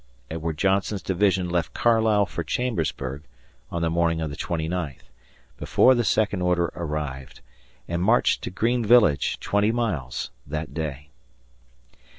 Edward Johnson's division left Carlisle for Chambersburg on the morning of the twenty ninth, before the second order arrived, and marched to Green Village twenty miles that day.